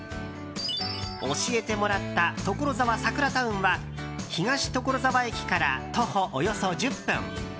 教えてもらったところざわサクラタウンは東所沢駅から徒歩およそ１０分。